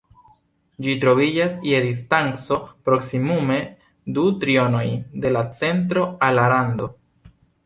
Ĝi troviĝas je distanco proksimume du trionoj de la centro al la rando.